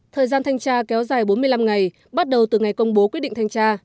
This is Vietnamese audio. thời gian thanh tra kéo dài bốn mươi năm ngày bắt đầu từ ngày công bố quyết định thanh tra